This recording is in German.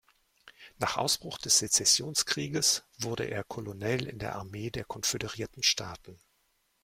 Nach Ausbruch des Sezessionskrieges wurde er Colonel in der Armee der Konföderierten Staaten.